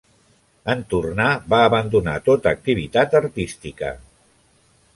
En tornar va abandonar tota activitat artística.